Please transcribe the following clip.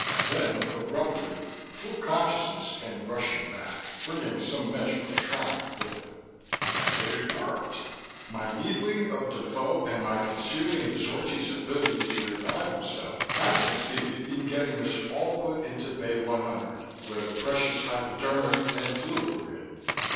Then, abruptly, full consciousness came rushing back, bringing some measure of triumph with it. It had worked! My needling of Defoe and my concealing of Zorchi's ability to revive himself had succeeded in getting us all put into Bay 100, where the precious hypodermic and fluid were hidden.